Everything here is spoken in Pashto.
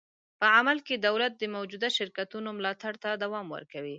په عمل کې دولت د موجوده شرکتونو ملاتړ ته دوام ورکوي.